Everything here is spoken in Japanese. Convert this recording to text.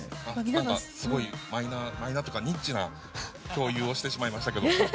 すごいマイナーというかニッチな共有をしてしまいましたけど。